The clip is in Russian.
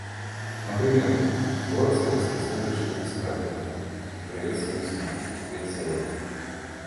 Например: город советские служащие искрапили, приветствуй весну, ответь салютно!